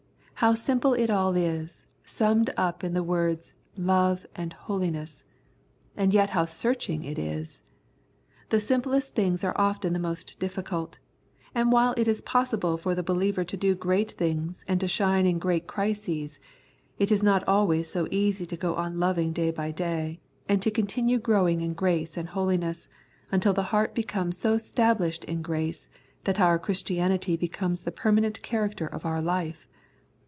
How simple it all is, summed up in the words Love and Holiness. And yet how searching it is ! The simplest things are often the most difficult, and while it is possible for the be liever to do great things and to shine in great crises, it is not always so easy to go on loving day by day, and to continue growing in grace and holiness, until the heart becomes so stablished in grace that our Christianity becomes the permanent character of our life.